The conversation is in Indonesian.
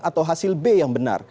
atau hasil b yang benar